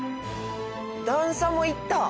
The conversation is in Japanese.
段差もいった！